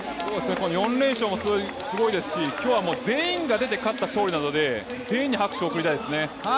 ４連勝もすごいですし今日はもう全員が出て勝った勝利なので全員に拍手を送りたいですね。